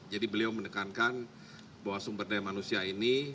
jadi beliau menekankan bahwa sumber daya manusia ini